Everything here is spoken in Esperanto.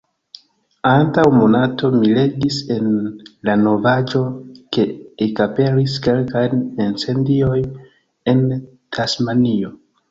Antaŭ monato, mi legis en la novaĵo ke ekaperis kelkaj incendioj en Tasmanio.